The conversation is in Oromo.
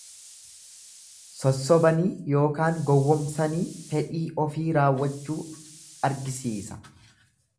Sossobanii ykn gowwomsanii fedha ofii raawwachuu argisiisa.